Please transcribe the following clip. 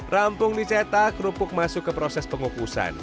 rampung dicetak kerupuk masuk ke proses pengukusan